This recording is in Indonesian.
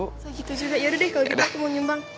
saya gitu juga yaudah deh kalau gitu aku mau nyumbang